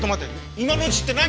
今のうちって何？